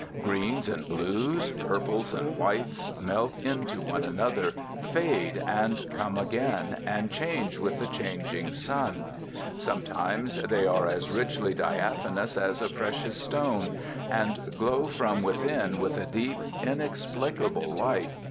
Greens and blues, purples and whites, melt into one another, fade, and come again, and change with the changing sun. Sometimes they are as richly diaphanous as a precious stone, and glow from within with a deep, inexplicable light.